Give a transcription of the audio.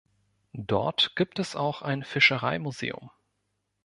Dort gibt es auch ein Fischereimuseum.